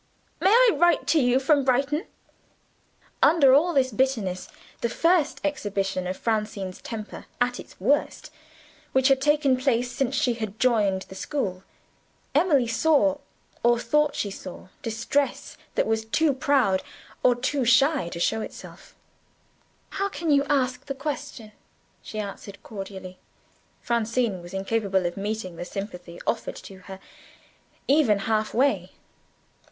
May I write to you from Brighton?" Under all this bitterness the first exhibition of Francine's temper, at its worst, which had taken place since she joined the school Emily saw, or thought she saw, distress that was too proud, or too shy, to show itself. "How can you ask the question?" she answered cordially. Francine was incapable of meeting the sympathy offered to her, even half way.